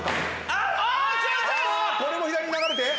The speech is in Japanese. あこれも左に流れて。